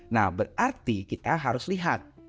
nah berarti kita harus lihat